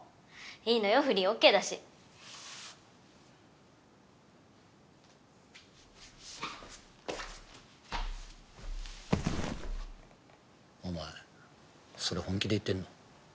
いいのよ不倫ＯＫだしお前それ本気で言ってんの？